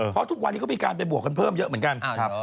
เพราะทุกวันนี้เขามีการไปบวกกันเพิ่มเยอะเหมือนกัน